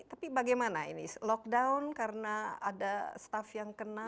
tapi bagaimana ini lockdown karena ada staff yang kena